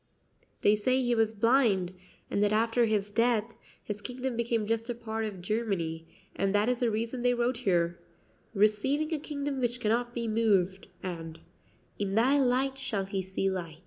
"They say he was blind, and that after his death his kingdom became just a part of Germany, and that is the reason they wrote here, 'Receiving a kingdom which cannot be moved,' and, 'In thy light shall he see light.'"